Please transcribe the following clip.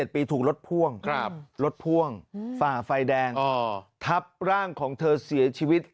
๑๗ปีถูกรดพ่วงฝ่าไฟแดงทับร่างของเธอเสียชีวิต